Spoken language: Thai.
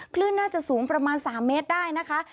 คลื่นน่าจะสูงประมาณ๓เมตรได้นะคะ